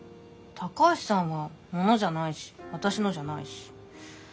高橋さんは物じゃないし私のじゃないし。